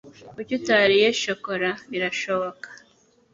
Kuki utariye shokora? (birashoboka)